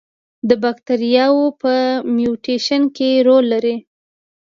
د باکتریاوو په میوټیشن کې رول لري.